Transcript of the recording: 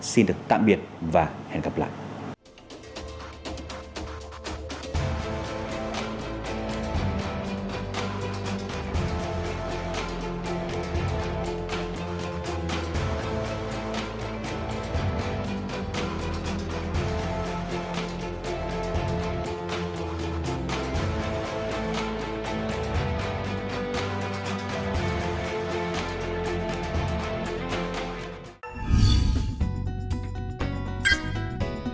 xin được tạm biệt và hẹn gặp lại